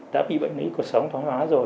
đã bị bệnh lý cuộc sống thói hóa rồi